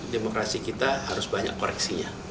demokrasi kita harus banyak koreksinya